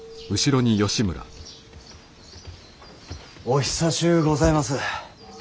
お久しゅうございます。